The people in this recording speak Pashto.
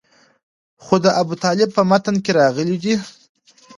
خو د ابوطالب په متن کې راغلي دي.